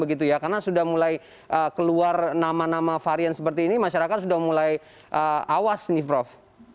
karena sudah mulai keluar nama nama varian seperti ini masyarakat sudah mulai awas prof